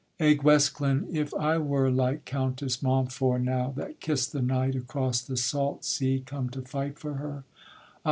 Eh Guesclin! if I were Like Countess Mountfort now, that kiss'd the knight, Across the salt sea come to fight for her: Ah!